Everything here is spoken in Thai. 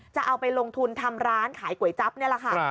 จะเอาไปลงทุนทำร้านขายก๋วยจั๊บนี่แหละค่ะ